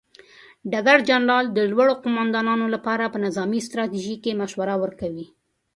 ډګر جنرال د لوړو قوماندانانو لپاره په نظامي ستراتیژۍ کې مشوره ورکوي.